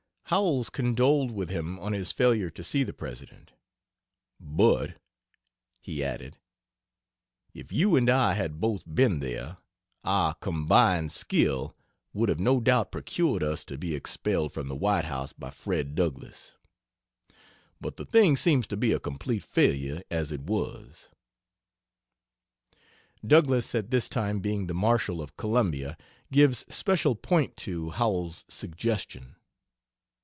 Howells condoled with him on his failure to see the President, "but," he added, "if you and I had both been there, our combined skill would have no doubt procured us to be expelled from the White House by Fred Douglass. But the thing seems to be a complete failure as it was." Douglass at this time being the Marshal of Columbia, gives special point to Howells's suggestion.